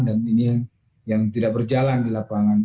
dan ini yang tidak berjalan di lapangan